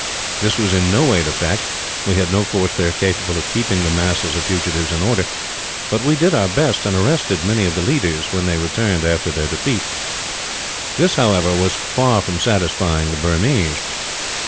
"This was in no way the fact. We had no force there capable of keeping the masses of fugitives in order; but we did our best, and arrested many of the leaders, when they returned after their defeat. This, however, was far from satisfying the Burmese.